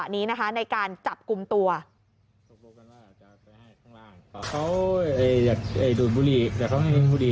พี่เอาไปวางเดินไปแล้วพี่บอกว่าอย่างไง